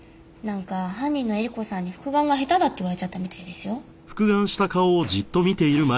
なんか犯人のえり子さんに復顔が下手だって言われちゃったみたいですよ。